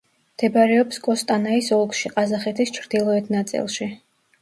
მდებარეობს კოსტანაის ოლქში ყაზახეთის ჩრდილოეთ ნაწილში.